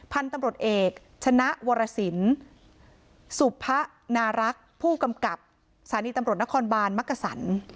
พันธุ์ตำรวจเอกชนะวรสินสุพะนารักษ์ผู้กำกับสถานีตำรวจนครบาลมักกษัน